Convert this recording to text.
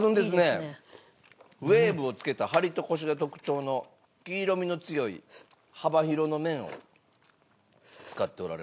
ウェーブをつけたハリとコシが特徴の黄色みの強い幅広の麺を使っておられます。